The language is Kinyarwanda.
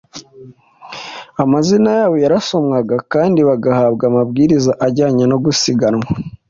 amazina yabo yarasomwaga kandi bagahabwa amabwiriza ajyanye no gusiganwa.